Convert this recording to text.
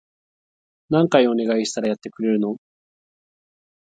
何回お願いしたらやってくれるの？